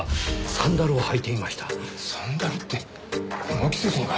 サンダルってこの季節にか。